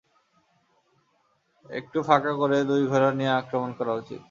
একটু ফাঁকা করে দুইটা ঘোড়া দিয়ে আক্রমণ করা উচিত।